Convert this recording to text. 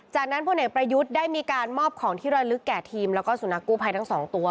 จากนั้นพลเอกประยุทธ์ได้มีการมอบของที่ระลึกแก่ทีมแล้วก็สุนัขกู้ภัยทั้งสองตัว